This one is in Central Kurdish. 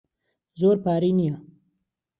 زۆر پارەی نییە.